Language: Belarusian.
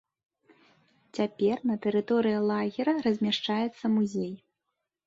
Цяпер на тэрыторыі лагера размяшчаецца музей.